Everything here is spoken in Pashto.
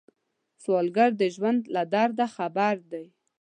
سوالګر د ژوند له درده خبر دی